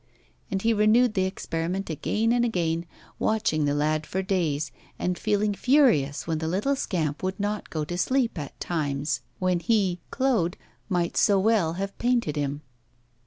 And he renewed the experiment again and again, watching the lad for days, and feeling furious when the little scamp would not go to sleep at times when he, Claude, might so well have painted him.